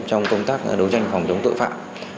trong công tác đấu tranh phòng chống tội phạm